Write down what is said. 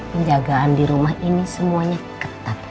penjagaan di rumah ini semuanya ketat